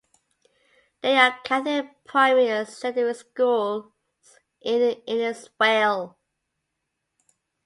There are Catholic primary and secondary schools in Innisfail.